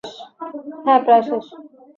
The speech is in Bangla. হ্যাঁ, প্রায় শেষ।